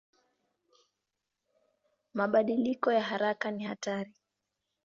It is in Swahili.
Mabadiliko ya haraka ni hatari.